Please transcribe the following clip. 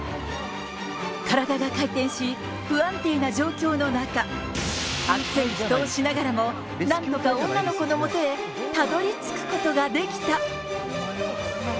体が回転し、不安定な状況の中、悪戦苦闘しながらも、なんとか女の子のもとへたどりつくことができた。